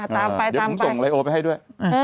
เดี๋ยวคุณส่งไลโอ้ไปให้ด้วย